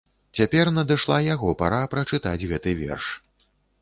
Цяпер надышла яго пара прачытаць гэты верш.